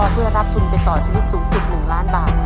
เพื่อรับทุนไปต่อชีวิตสูงสุด๑ล้านบาท